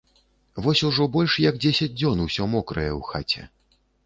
Вось ужо больш як дзесяць дзён усё мокрае ў хаце.